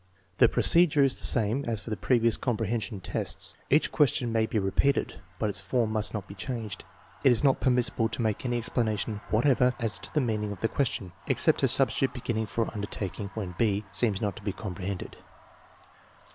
The procedure is the same as for the previous compre hension tests. Each question may be repeated, but its form must not be changed. It is not permissible to make any explanation whatever as to the meaning of the ques tion, except to substitute beginning for undertaking when (b) seems not to be comprehended.